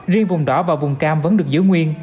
riêng vùng đỏ và vùng cam vẫn được giữ nguyên